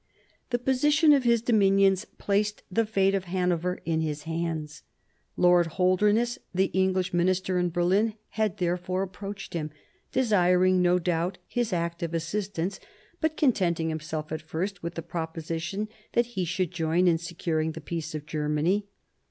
The position of his dominions placed the fate of Hanover in his hands. Lord Holderness, the English minister in Berlin, had therefore approached him, desiring no doubt his active assistance, but contenting himself at first with the proposition that he should join in securing the peace of Germany.